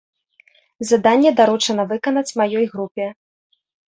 Заданне даручана выканаць маёй групе.